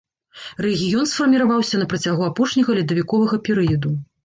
Рэгіён сфарміраваўся на працягу апошняга ледавіковага перыяду.